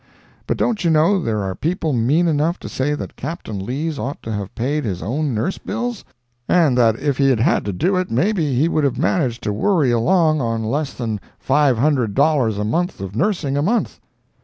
But don't you know there are people mean enough to say that Captain Lees ought to have paid his own nurse bills, and that if he had had to do it maybe he would have managed to worry along on less than five hundred dollars worth of nursing a month?